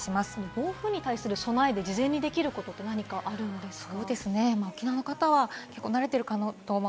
暴風に対する備えで事前にできることはありますか？